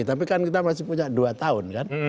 tapi kan kita masih punya dua tahun kan